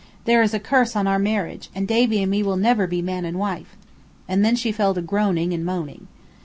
There is a curse on our marriage, and Davy and me will never be man and wife." And then she fell to groaning and moaning.